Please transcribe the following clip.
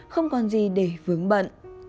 không còn gì để vướng bận